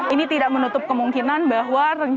ini tidak menutup kemungkinan bahwa rencana